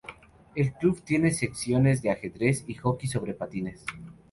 El club tiene secciones de ajedrez y hockey sobre patines.